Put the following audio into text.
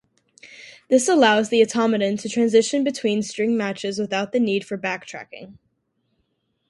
This allows the automaton to transition between string matches without the need for backtracking.